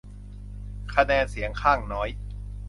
คะแนนเสียงข้างน้อย